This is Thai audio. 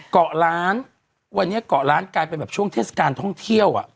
เกาะล้านวันนี้เกาะล้านกลายเป็นแบบช่วงเทศกาลท่องเที่ยวอ่ะ